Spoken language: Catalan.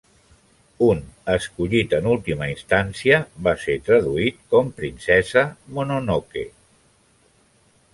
Un, escollit en última instància, va ser traduït com "Princesa Mononoke".